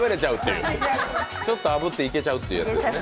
ちょっとあぶっていけちゃうっていうね。